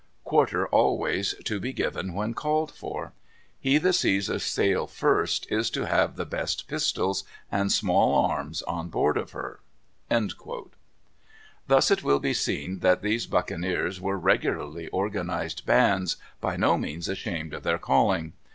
Quarter always to be given when called for. He that sees a sail first is to have the best pistols and small arms on board of her." Thus it will be seen that these buccaneers were regularly organized bands, by no means ashamed of their calling.